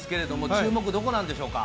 注目、どこなんでしょうか。